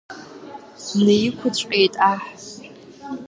Днаиқәыҵәҟьеит аҳ.